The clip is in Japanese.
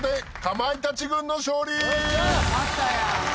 またや。